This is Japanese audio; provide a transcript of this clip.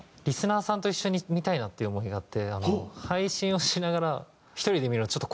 リスナーさんと一緒に見たいなっていう思いがあって配信をしながら。